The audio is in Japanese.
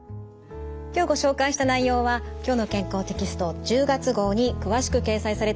今日ご紹介した内容は「きょうの健康」テキスト１０月号に詳しく掲載されています。